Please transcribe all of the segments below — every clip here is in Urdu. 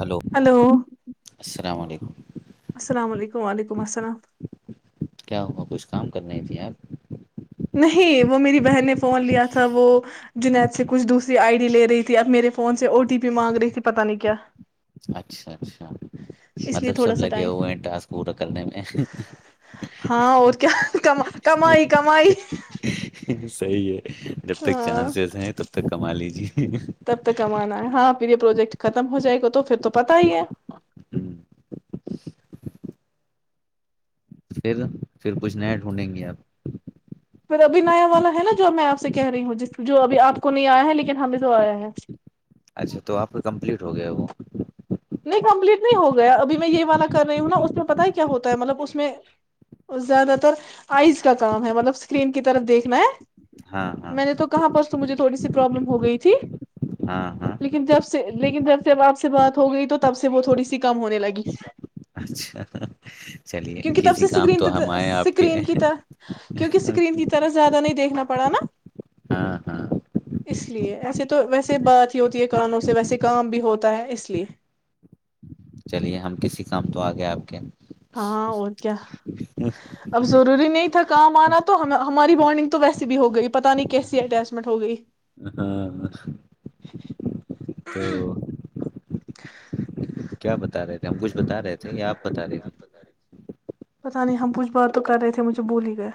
ہلو السلام علیکم السلام علیکم و علیکم السلام کیا ہوا کچھ کام کر رہی تھھی آپ نہیں وہ میری بہن فون لیا تھا وہ جنید سے کچھ دوسری آئی ڈی لے رہی تھی اب میرے فون سے او ٹی پی مانگ رہی تھی پت نہیں کیا اچھا اچھا اس لیے مطلب تھوڑا سب سا لگے ٹائم ہوئے ہیں ٹاسک پورا کرنے میں ہاں اور کیا کما کمائی کمائی صحیح ہے جب تک ہاں چانسیز ہیں تب تک کما لیجیے تب تک کمانا ہے ہاں پھر یہ پروجیکٹ ختم ہو جائے گا تو پھر تو پت ہی ہے ہم، پھر پھر کچھ نہیں ڈھونڈیں گے آپ پھر ابھی نیا والا ہے نا جو میں آ سے کہہ رہی ہوں جس جو ابھی آپ کو نہیں آیا ہے لیکن ہمیں جو آیا ہے اچھا تو آپ کا کمپلیٹ ہو گیا وہ جی نہیں کمپلیٹ نہیں ہو گیا ابھی میں یہ والا کر رہی ہوں نا اس میں پت ہے کیا ہوتا ہے مطلب اس میں زیادہ تر آئز کا کام ہے مطلب اسکرین کی طرف دیکھنا ہے ہاں ہاں میں نے تو کہاں پہنچ مجھے تھوڑی پرابلم ہو گئی تھی ہاں ہاں لیکن جب لیکن جھر سے اب آپ سے بات ہو گئی تو تب سے وہ تھوڑی سی کم ہونے لگی اچھا چلیے کیونکہ تب کسی سے کام اسکرین تو ہم آئے آپ کے اسکرین کی طرح کیونکہ اسکرین کی طرح زیادہ نہیں دیکھنا پڑا نا ہاں ہاں اس لیے ایسے تو ویسے بات ہی ہوتی ہے کانوں سے ویسے کام بھی ہوتا ہے اس لیے چلیے ہم کسی کام تو آ گئے آپ کے ہاں اور کیا اب ضروری نہیں تھا کام آنا تو ہماری بانڈنگ تو ویسی بھی ہو گئی پت نہیں کیسی اٹیچمنٹ ہو گئی ہاں تو کیا بتا رہے تھے ہم کچھ بتا رہے تھے یا آپ بتا رہے تھے پتا نہیں ہم پوچھ بات تو کر رہے تھے مجھے بولی ہی گیا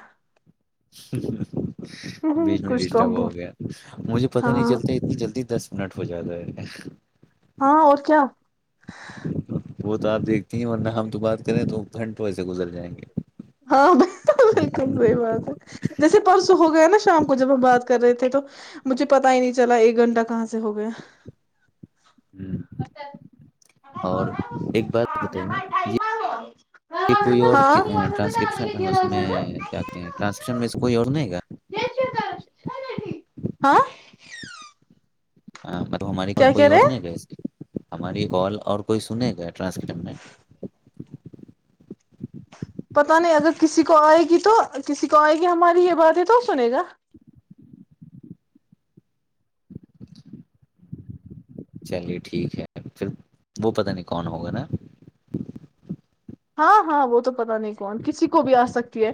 بیچ میں کچھ تو ڈسٹرب ہم بھول ہو گیا مجھے پت نہیں ہاں چلتا اتنی جلدی دس نٹو جیاد ہے ہاں اور کیا وہ تو ہردیک نہیں ورنہ ہم تو بات کریں تو گھنٹے ویسے گزر جائیں گے ہاں با بالکل صحی بات ہے جیسے پرسوں ہو گیا نا شام کو جب ہم بات کر رہے تھے تو مجھے پتا ہی نہیں چلا ایک گھنٹہ کہاں سے ہو گیا ہوں، اور ایک بات بتائیے یہ یہ کوئی اور ہاں ٹرانسکپشن اس میں کیا کہتے ہیں ٹرانسکپشن میں اس کوئی اور نہیں گا ہاں ہاں، مطلب ہماری ک کیا کوئی کہہ رہے اور ہیں نہیں ہے اس ہماری بات اور کوئی سنے گا ٹرانسپ میں پتا نہیں اگر کسی کو آئے گی تو کسی کو آئے گی ہماری یہ بات ہے تو سنے گا چلیے ٹھیک ہے پھر وہ پتا نہیں کون ہوگا نا ہاں ہاں وہ تو پتا نہیں کون کسی کو بھی آ سکتی ہے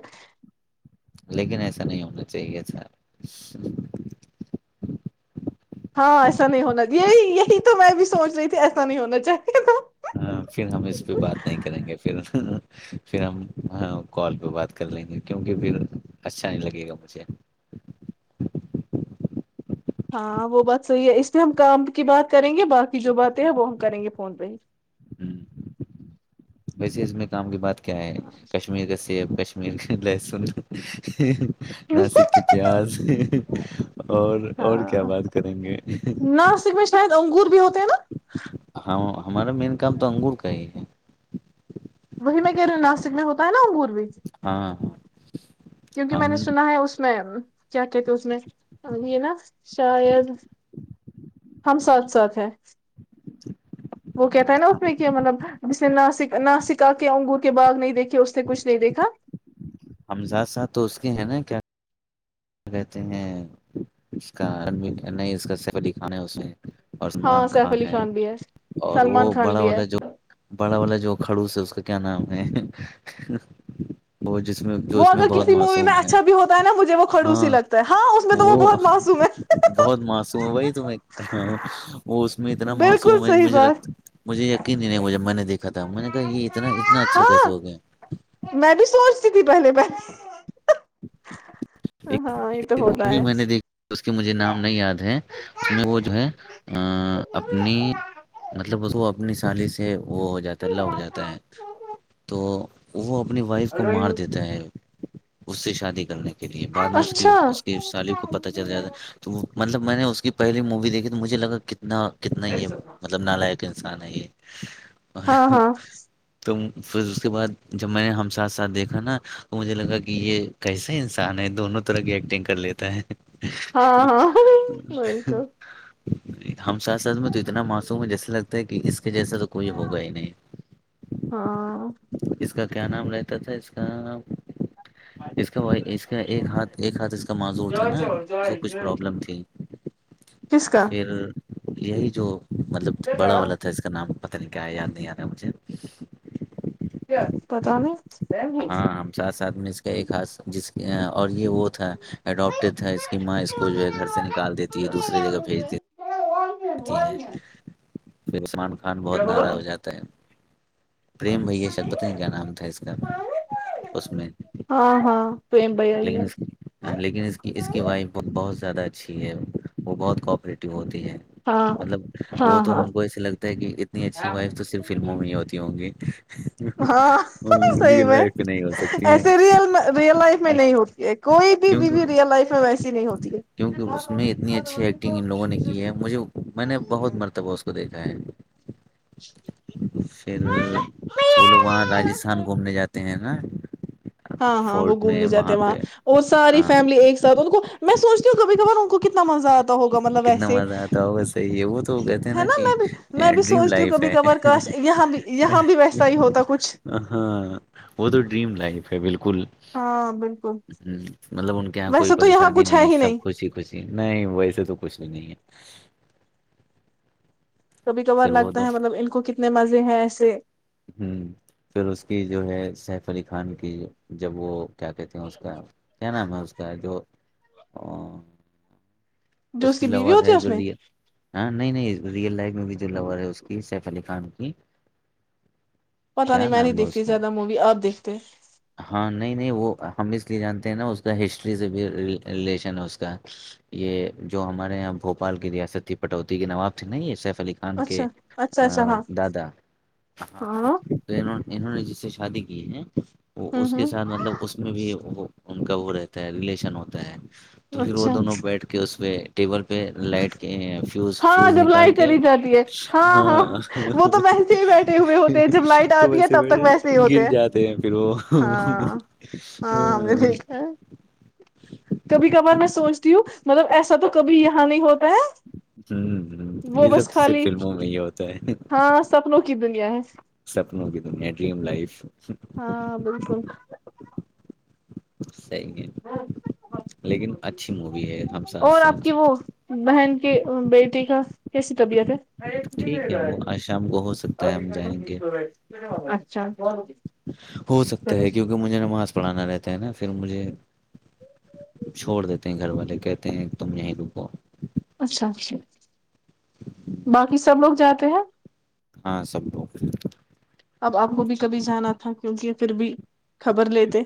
لیکن ایسا نہیں ہونا چاہیے سر ہاں ایسا نہیں ہونا یہی یہی تو میں بھی سونچ رہی تھی ایسا نہیں ہونا چاہیے تھا پھر ہم اس پہ بات نہیں کریں گے پھر پھر ہم کال پہ بات کر لیں گے کیونکہ پھر اچھا نہیں لگے گا مجھے ہاں وہ بات صحیح ہے اس لیے ہم کام کی بات کریں گے باقی جو باتیں ہیں وہ ہم کریں گے فون پہ ہی ہوں ویسے اس میں کام کی بات کیا ہے کشمیر کایب کشیر م لسن [unintelligible] [inaudible] ناسک کی پیاز اور اور کیا ہاں بات کریں گے ناسک میں شاید انگور بھی ہوتے ہیں نا ہاں ہمارا مین کام تو انگور کا ہی ہے وہی میں کہہ رہ ہوں ناسک میں ہوتا ہے نا انگوروچ ہاں کیوں کہ میں ہم نے سنا ہے اس میں کیا کہت اس میں یہ نا شاید ہم ساتھ ساتھ ہیں وہ کہتا ہے نا اس ہم میں کہ مطلب جس نے ناسک ناسک آ کے انگور کے باغ نہیں دیکھے اس سے کچھ نہیں دیکھا حمزاد صاحب تو اس کے ہیں نا کیا رہتے ہیں اس کا نہیں اس کا سفی کھانا ہے اس میں ہاں اثمان سیف علی خان ہے بھی اور سلمان وہ خان بڑا بھی والا جو ہے بڑا والا جو کھڑوس ہے اس کے کیا نام ہے وہ جس میں جو وہ اس میں اگر بہت کسی مووی میں معصوم ہے اچھا بھی ہوتا ہے نا مجھے وہ کھڑوسی ہاں لگتا ہے ہاں اس میں تو وہ بہت معصوم ہے بہت معصوم ہے وہی تو میں کر رہا ہوں وہ اس میں اتنا بالکل معصوم ہے صحیح مجھےگ بات مجھے یقینی نہیں ہو جب میں نے دیکھا تھا میں نے کہا یہ اتنا اتنا اچھا کیسے ہاں ہو گیا میں بھی سوچتی تھی پہلے پہلے ایک ہاں یہ تو ہوتا مووی ہے میں نے دیکھی اس کے مجھے نام نہیں یاد ہے اس میں وہ جو ہے اپنی مطلب اپنی سالی سے وہ ہو جاتا ہے ل ہو جاتا ہے تو وہ اپنی وائف کو مار دیتا ہے اس سے شادی کرنے کی کے لیے بعد میں اس اچھا اس کی سالف کو پت چل جاتا ہے تو وہ مطلب میں نے اس کی پہلی مووی دیکے تو مجے لگا کتنا نہ کتنا ہی مطلب نہ لائق انسان ہے یہ ہاں ہاں توم پھر اس کے بعد جب میں نے ہم ساتھ ساتھ دیکھا نا تو مجھے لگا کہ یہ کیسے ہے ان دونوں طرح کی ایکٹنگ کر لیتا ہے ہاں ہاںک جی ہم ساتھ ساتھ میں تو اتنا معصوم ہے جیسے لگتا ہے کہ اس کے جیسا تو کوئی ہوگا ہی نہیں ہاں اس کا کیا نام رہتا تھا اس کا اس کے ب اس کے ایک ہاتھ ایک ہاتھ اس کا معذور تھا نا اس کو کچھ پرابلم تھی کس کا پھر یہی جو مطلب بڑا والا تھا اس کا نام پتہ نہیں کیا آیا یاد نہیں آ رہا مجھے کیا پتاہ نہیں ہاں ہم ساتھ ساتھ میں اس کا ایک ہاتھ جس ا اور یہ وہ تھا اڈاپٹیڈ تھا اس کی ماں اس کو جو ہے گھر سے نکال دیتی ہے دوسری جگہ بھیج دیتی ہوتی ہے جی سلمان خان بہت ناررا ہو جاتا ہے پریم بھیا شت پتنی کا نام تھا اس کا اس میں ہاں ہاں پریم بھیا ہی لیکن ہے اس لیکن اس کی اس کی وائف بہت زیادہ اچھی ہے وہ بہت کوآپریٹو ہوتی ہے ہاں مطلب وہ ہاں تو ہاں ہم کو ایسے لگتا ہے کہ اتنی اچھی وائف تو صرف فلموں میں ہی ہوتی ہوں گی ج ہاں صحی میں نہیں ہو سکتی ہے ایسے رل ریئل لائف میں نہیں ہوتی ہے کوئی بھی بیوی کیونکہ ریئل لائف میں ویسی نہیں ہوتی ہے کیونکہ اس میں اتنی اچھی ایکٹنگ ان لوگوں نے کی ہے مجھے میں نے بہت مرتبہ اس کو دیکھا ہے پھر وہ لوگ وہاں راجستھان گھومنے جاتے ہیں نا ہاں ہاں وہ فورٹ میں گھومنے جاتے ہیں وہاں پہ اور ساری ہاں فیملی ایک ساتھ ان کو میں سوچتی ہو کبھی ان کو کتنا مزہ آ ہے کتنا مزہ آتا ہو بس صحی ہے وہ تو کہتے ہیں ہے نا کہ میں بھی میں بھی ڈریم سوچتی ہوں لائف کبھی ہے کبھار کاش یہاں بھی یہاں بھی ویسا ہی ہوتا کچھ ہاں وہ تو ڈریم لائف فیبل [unintelligible] ہ ہاں بالکل مطلب ان کے یہاں کوئی ویسے تو یہاں پریشانی کچھ ہے نہیں ہی سب خوشی خوشی نہیں ویسے چ نہیں ہے کبھی کبار صرف وہ لگتا دو ہے مطلب ان کو کتنے م ہیں ایسے ہوں پھر اس کی جو ہے سیف علی خان کی جب وہ کیا کہتی ہیں اس کا کیا نام ہے اس کا ہے جو جو اس کی بیوی لور ہوتی ہے اس جو ل میں ہاں نہیں نہیں ریئل لائف میں بھی جو لور ہے اس کی س سلی خان کی پتا نہیں کیا میں نہیں نام ہے اس دیکتی کا زیادہ موی اب دیکھتی تو [unintelligible] ہاں نہیں نہیں وہ ہم اس لیے جانتے ہیں نا اس کا ہسٹری سے بھی ریلیشن ہے اس کا یہ جو ہمارے یہاں بھوپال کی ریاستی کٹوتی کے نواب تھے نا یہ سر سلی خان کے اچھا اچھا اچھا ہاں دادا ہاں انہوں نے جس سے شادی کی ہیں وہ ہ اس ہ کے ساتھ مطلب اس میں بھی وہ ان کا وہ رہتا ہے ریلیشن ہوتا ہے تو پھر وہ اچھا دونوں بیٹھ کے اس پ میں ٹیبل پہ لائٹ کے فیز ہاں فیوز جب نکال لائٹ کے چلی جاتی ہے ہاں وہ تو ویسے ہی بیٹھے ہوئے ہوتے ہیں جب لائٹ تو آتی ہے ویسے تب تک بی ویسے ہی ہوتے گر جاتے ہیں پھر وہ ہاں ہاں ہم نے دھا کبھی کبھار میں سوچتی ہوں مطلب ایسا تو کبھی یہاں نہیں ہوتا ہے ہوں وہ یہ سب بس تو صرف خالی فلموں میں ہی ہوتا ہے ہاں سپنوں کی دنیا ہے سپنوں کی دنیا ڈریم لائف ہاں بالکل سی گ لیکن اچھی مووی ہے ہم ساتھ اور آپ کی ساتھ وہ بہن کے بیٹی کا کیسی طبیعت ہے ٹھیک ہے وہ آج شام کو ہو سکتا ہے ہم جائیں گے اچھا ہو سکتا چلے ہے کیونکہ مجھے نماز پڑھانا رہتا ہے نا پھر مجھے چھوڑ دیتے ہیں گھر والے کہتے ہیں تم یہیں رکو اچھا باقی سب لوگ جاتے ہیں ہاں سب ل اب آپ کو بھی کبھی جانا تھا کیونکہ پھر بھی خبر لیتے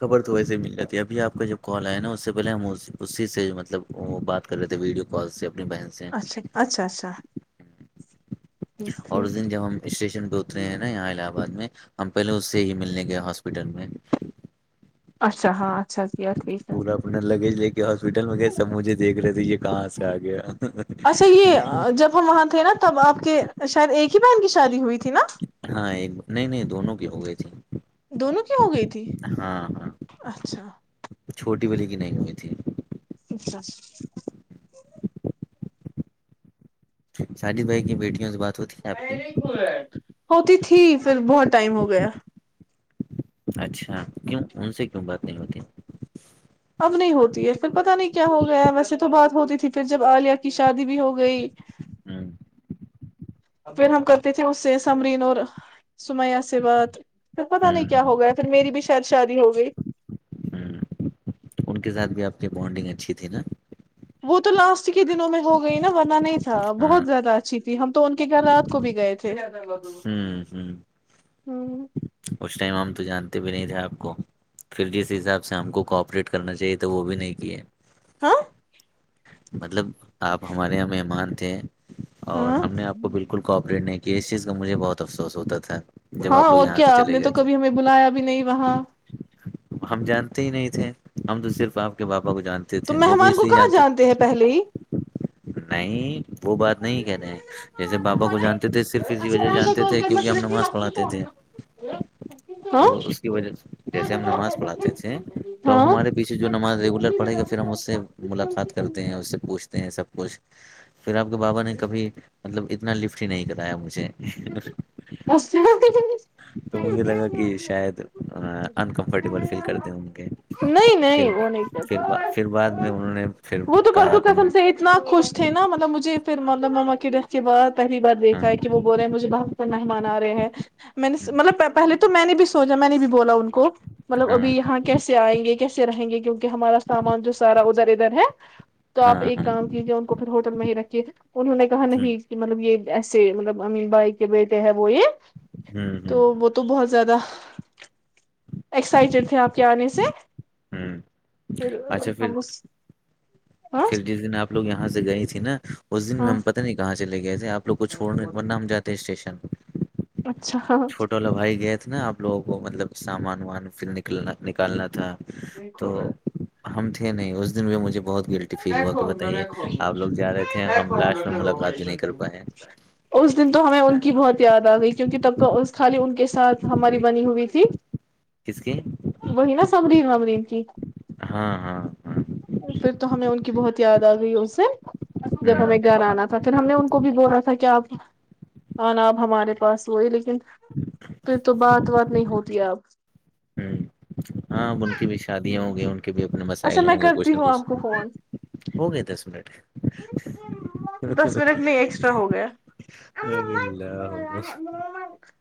خبر تو ویسے ہی مل جاتی ہے ابھی آپ کا جب کال آئے نا اس سے پہلے ہم اسی سے مطلب وہ بات کر رہے تھے ویڈیو کال سے اپنی بہن سے اچھا اچھا اچھا [unintelligible] ٹھیک اور ٹھیک اس دن جب ہم اسٹیشن پہ اترے ہیں نا یہاں الہ آباد میں ہم پہلے سے ہی ملنے گیا ہاسپٹل میں [unintelligible] اچھا ہاں اچھا اچھا پورا اپنا لگیج لے کے ہاسپٹل میں گئے سب مجھے دیکھ رہے تھے یہ کہاں سے آگیا اچھا یہ جب ہم وہاں تھے نا تب آپ کے شاید ایک کی بہن کی شادی ہوئیھی ہاں ایک نہیں نہیں دونوں کی ہو گئے تھی دونوں کی ہو گئی تھی ہاں ہاں اچھا چھوٹی بلی کی نہیں ہوئی تھی اچھاچ شادد بھائی کی بیٹٹیوں سے بات ہوتی ہے آپ کی ہوتی تھی پھر بہت ٹائم ہو گیا اچھا کیوں ان سے کیوں بات نہیں ہوتی اب نہیں ہوتی ہے پھر پتا نہیں کیا ہو گیا ویسے تو بات ہوتی تھی پھر جب علیہ کی شادی بھی ہو گئی ہوں پھر ہم کرتے تھے اس سے سمرین اور سمیا سے بات پھر پتا نہیں کیا ہوں ہو گیا پھر میری بھی شاید شادی ہو گئی ر بانڈنگ اچھی تھی نا وت للاس کے دنوں میں ہو گئی نا ورنہ نہیں ہاں بہت زیاد اچھی تھی ہم تو ان کے گھر رات کو بھی گئے تھے ہوں شی ہوں ل اس ٹائم ہم تو ہ جانتے بھی نہیں تھا آپ کو پھر جس حساب سے ہم کو کوپریٹ کرنا چاہیے تھا وہ بھی نہیں کیے ہاں مطلب آپ ہمارے یہاں مہمان کہ اور ہاں ہم نے آپ کو بالکل کوپریٹ نہیں کہ اس چیز کا مجھے بہت افسوس ہوتا تھا جب ہاں آپ لوگ اور یہاں سے کیا آپ چلے نے گئے تو تھے کبھی ہمیں بلایا بھی نہیں وہاں ہم جانتے ہی نہیں تھے ہم تو صرف آپ کے باپ تو مہمان کو کہاں جانتے ہیں پہلے ہی نہیں وہ بات نہیں کہتے ہیں جیسے بابا کو جانتے تھے صرف اسی وجہ جانتے تھے کیونکہ ہم نماز پڑھاتے تھے ہاں تو اس کی وجہ جیسے ہم نماز پڑھاتے تھے تو ہاں ہمارے پیچھے جو نماز ریگولر پڑھے گا پھر ہم اس سے ملاقات کرتے ہیں اس سے پوچھتے ہیں سب پھر آپ کے بابا نے کبھی مطلب اتنا لفٹ ہی نہیں کرایا مجھے تو مجھے لگا کہ شاید انکمفرٹیبل فیل کرتے ہیں ان کے نہیں پھر نہیں وہ نہیں پھر با- پھر بعد میں انہوں نے پھر وہ تو کہا کہ قسم مجھے سے اتنا خوش تھے نا مطلب مجھے پھر مطلب ماما کی ڈیت کے بعد پہلی بار ہاں دیکھا ہے کہ وہ باپ کو نہیں منا رہے ہیں میں نے ہاں مطلب پہلے تو میں نے بھی سوچا میں نے بھی بولا ان کو مطلب ہاں ابھی یہاں کیسے آئیں گے کہ کیسے رہیں گے کیونکہ ہمارا سامان جو سارا ادھر ادھر ہے تو آپ ہاں ایک ہاں کام کیجیے ان کو پھر ہوٹل میں ہی رکھ ٹیک انہوں نے کہا نہیں کہ مطلب یہ ایسے مطلب ہمیں بائی کے بیٹ ہے بو یہ ہ ہ ہ تو وہ تو بہت زیادہ ایکسائٹیڈ تھے آپ کے آنے سے ہوں پھر اچھا پھر ہم اس ہاں پھر جس دن آپ لوگ یہاں سے گئی تھی نا اس دن میں ہاں ہم پتہ نہیں کہا مچے لے آپوگ کو چھڑ ورن ہم جاتے ہیں اسٹیشن اچھا ہاں چھوٹا والا بھائی گئے نا آپ لوگوں کو مطلب سامان وامان پھر نکلنا نکالنا تھا تو کو ہم تھے نہیں اس دن بھی مجھے بہت گلٹی فیل ہوا کہ بتائیے وں آپ لوگ جا رہے تھے ہم لاسٹ میں گا گا ملاقات بھی نہیں کر پائے اس دن تو ہمیں ان کی بہت یاد آ گئی کیونکہ تب تو خالی ان کے ساتھ ہماری بنی ہوئی تھی کس کی وہی نا سبرین وبرین جٹھ ہاں ہاں ہاں پھر تو ہمیں ان کی بہت یاد آ گئی اس سے جبس ہوں ہمیں گھر آنا تھا پھر ہم نے ان کو بھی بولا تھا کہ آپ آناب ہمارے پاس ہوئے لیکن پھر تو بعد بات نہیں ہوتی ہے اب ہوں ہاں اب ان کی بھی شادیاں ہوں گی ان کے بھی اپنے اچھا مسائل میں ہوں گے کچھ کرتی نہ کچھ آپ کو فون ہو گئے دس منٹ دس منٹ نہیں ایکسٹرا ہو گیا ا ل